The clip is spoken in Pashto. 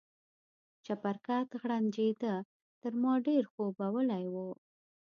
چپرکټ غرنجېده، تر ما ډېر خوبولی و.